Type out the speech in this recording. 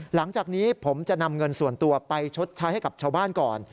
หลังจากนี้ผมจะนำเงินส่วนตัวไปชดใช้ให้กับชาวบ้านก่อน